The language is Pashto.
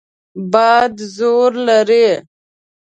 باد زور لري.